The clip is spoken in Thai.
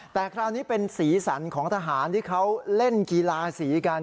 แต่คราวนี้เป็นสีสันของทหารที่เขาเล่นกีฬาสีกัน